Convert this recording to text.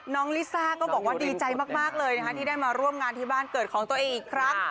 ลิซ่าก็บอกว่าดีใจมากเลยนะคะที่ได้มาร่วมงานที่บ้านเกิดของตัวเองอีกครั้ง